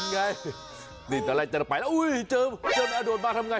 ยังไงเร็วไปแล้วเจอโดนมาทำไร